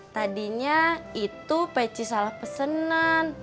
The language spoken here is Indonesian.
tadinya itu peci salah pesenan